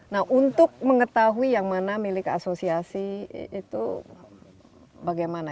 nah untuk mengetahui yang mana milik asosiasi itu bagaimana